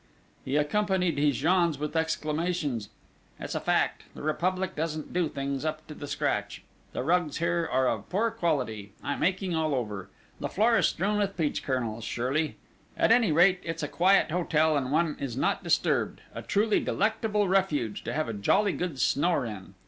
He accompanied his yawns with exclamations: "It's a fact, the Republic doesn't do things up to the scratch! The rugs here are of poor quality!... I'm aching all over!... The floor is strewn with peach kernels surely?... At any rate, it's a quiet hotel, and one is not disturbed a truly delectable refuge to have a jolly good snore in!"